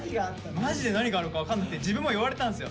マジで何があるのか分かんなくて自分も呼ばれたんすよ。